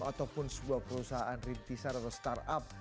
ataupun sebuah perusahaan rintisan atau startup